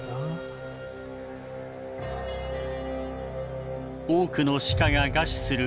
多くのシカが餓死する冬。